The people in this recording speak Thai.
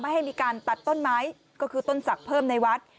ให้มีการตัดต้นไม้ก็คือต้นศักดิ์เพิ่มในวัด